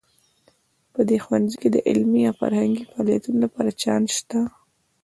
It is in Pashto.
په دې ښوونځي کې د علمي او فرهنګي فعالیتونو لپاره چانس شته